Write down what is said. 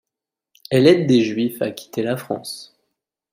Elle aide des Juifs à quitter la France.